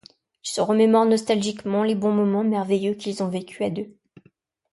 Il se remémore nostalgiquement les bons moments merveilleux qu'ils ont vécus à deux.